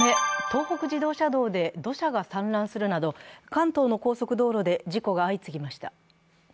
東北自動車道で土砂が散乱するなど、関東の高速道路で事故が相次ぎました。